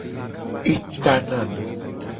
E tana nu.